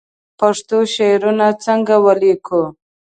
پښتو شعرونه څنګه ولیکو